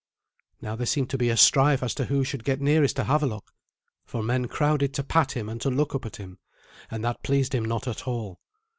Now there seemed to be a strife as to who should get nearest to Havelok, for men crowded to pat him and to look up at him, and that pleased him not at all.